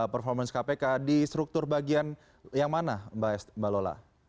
performance kpk di struktur bagian yang mana mbak lola